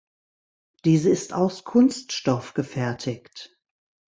Diese ist aus Kunststoff gefertigt.